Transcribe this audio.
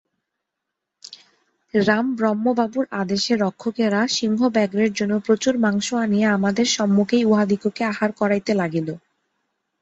রামব্রহ্মবাবুর আদেশে রক্ষকেরা সিংহব্যাঘ্রের জন্য প্রচুর মাংস আনিয়া আমাদের সম্মুখেই উহাদিগকে আহার করাইতে লাগিল।